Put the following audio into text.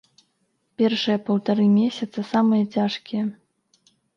Першыя паўтара месяца самыя цяжкія.